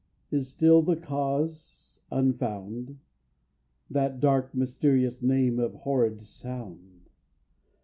is still the cause unfound? That dark, mysterious name of horrid sound?